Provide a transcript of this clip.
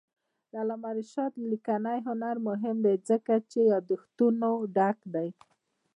د علامه رشاد لیکنی هنر مهم دی ځکه چې یادښتونه ډک دي.